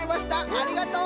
ありがとう！